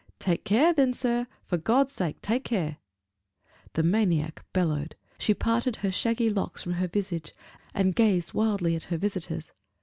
"Take care then, sir! for God's sake, take care!" The maniac bellowed; she parted her shaggy locks from her visage, and gazed wildly at her visitors.